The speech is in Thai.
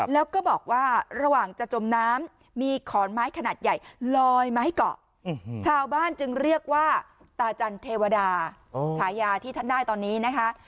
แล้วก็บอกว่าระหว่างจะจมน้ำมีขอนไม้ขนาดใหญ่ลอยมาให้เกาะชาวบ้านจึงเรียกว่าตาจันเทวดาฉายาที่ท่านได้ตอนนี้นะคะ